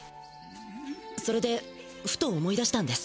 それでふと思い出したんです。